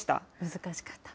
難しかった？